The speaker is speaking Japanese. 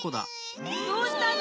どうしたの？